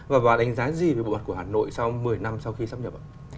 và bà đánh giá gì về bộ ẩn của hà nội sau một mươi năm sau khi sắp nhập